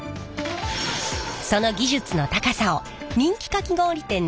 その技術の高さを人気かき氷店のプロも絶賛！